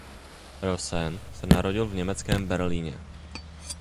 Rosen se narodil v německém Berlíně.